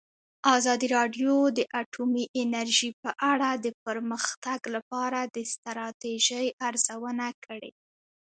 ازادي راډیو د اټومي انرژي په اړه د پرمختګ لپاره د ستراتیژۍ ارزونه کړې.